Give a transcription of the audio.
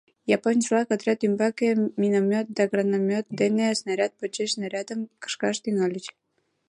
Японец-влак отряд ӱмбак миномет да гранатомёт дене снаряд почеш снарядым кышкаш тӱҥальыч.